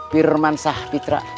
firman sah pitra